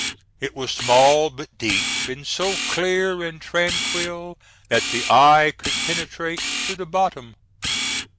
It was small but deep, and so clear and tranquil that the eye could penetrate to the bottom.